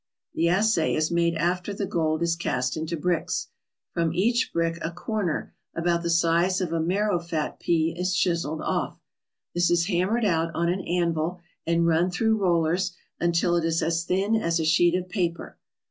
The assay is made after the gold is cast into bricks. From each brick a corner about the size of a marrowfat pea is chiselled off. This is hammered out on an anvil and run through rollers until it is as thin as a sheet of paper.